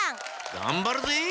がんばるぜ！